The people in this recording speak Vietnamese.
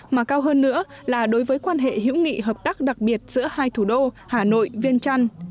mà cao hơn nữa là đối với quan hệ hữu nghị hợp tác đặc biệt giữa hai thủ đô hà nội viên trăn